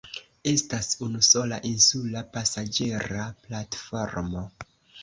Estas unusola insula pasaĝera platformo.